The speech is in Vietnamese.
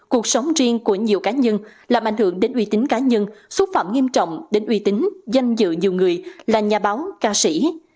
cuộc sống riêng của nhiều cá nhân làm ảnh hưởng đến uy tín cá nhân xúc phạm nghiêm trọng đến uy tín danh dự nhiều người là nhà báo ca sĩ